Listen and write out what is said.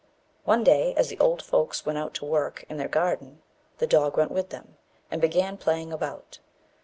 One day, as the old folks went out to work in their garden, the dog went with them, and began playing about.